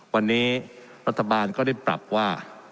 วันนี้รัฐบาลก็ได้ปรับว่า